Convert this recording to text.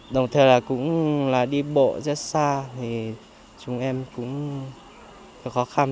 đồng thời là cũng là đi bộ rất xa thì chúng em cũng khó khăn